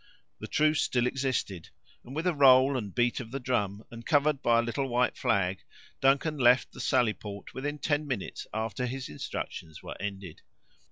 The truce still existed, and with a roll and beat of the drum, and covered by a little white flag, Duncan left the sally port, within ten minutes after his instructions were ended.